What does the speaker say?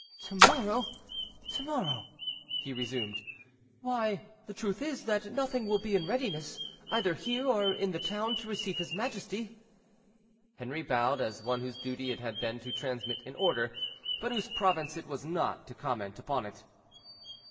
"To morrow, to morrow," he resumed; "why, the truth is, that nothing will be in readiness, either here or in the town, to receive his majesty." Henri bowed, as one whose duty it had been to transmit an order, but whose province it was not to comment upon it.